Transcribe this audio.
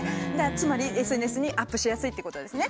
つまりＳＮＳにアップしやすいってことですね。